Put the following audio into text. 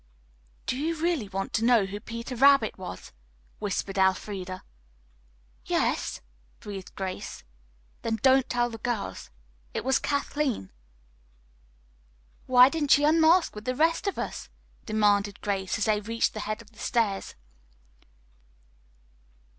"Do you really want to know who 'Peter Rabbit' was?" whispered Elfreda. "Yes," breathed Grace. "Then don't tell the girls. It was Kathleen." "Why didn't she unmask with the rest of us?" demanded Grace, as they reached the head of the stairs.